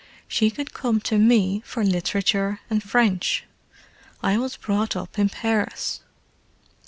She could come to me for literature and French; I was brought up in Paris.